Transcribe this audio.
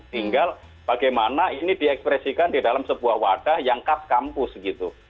tinggal bagaimana ini diekspresikan di dalam sebuah wadah yang cut kampus gitu